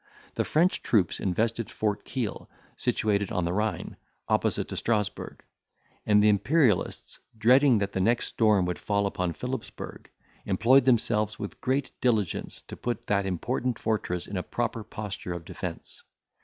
The French troops invested Fort Kehl, situated on the Rhine, opposite to Strasburg; and the Imperialists, dreading that the next storm would fall upon Philipsburg, employed themselves with great diligence to put that important fortress in a proper posture of defence.